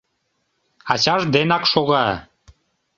— Ачаж денак шога.